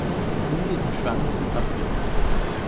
Flügel und Schwanz sind abgerundet.